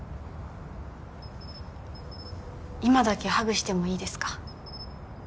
今だけハグしてもいいですか？